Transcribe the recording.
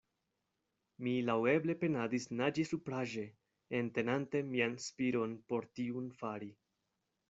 Mi laŭeble penadis naĝi supraĵe, entenante mian spiron, por tiun fari.